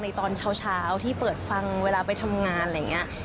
ตอนเช้าที่เปิดฟังเวลาไปทำงานอะไรอย่างนี้